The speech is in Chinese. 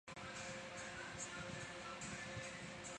红花芒毛苣苔为苦苣苔科芒毛苣苔属下的一个种。